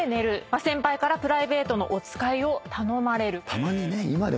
先輩からプライベートのお使いを頼まれる。